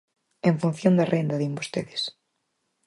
En función da renda, din vostedes.